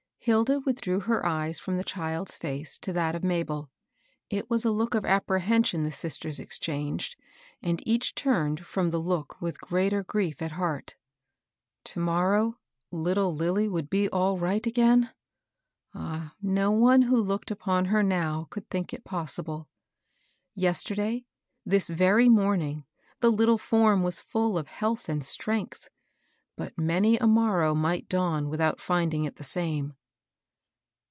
Hilda withdrew her eyes from the child's face to that of Mabel. It was a look of apprehension the sisters exchanged, and each turned from the look with greater grief at heart. To morrow, little Lilly would be all right again ? Ah 1 no one who looked upon her now could think it possible. Yesterday, —^ this very morning, the Kttle form was fiill of health and strength ; but many a morrow might dawn with out finding it the same.